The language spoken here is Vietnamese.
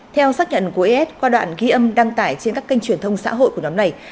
theo xác nhận của is qua đoạn ghi âm đăng tải trên các kênh truyền thông xã hội của nhóm này